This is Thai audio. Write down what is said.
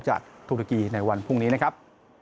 จะถูกตกีในวันพรุ่งนี้นะครับ